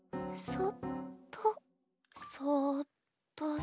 そっとそっと。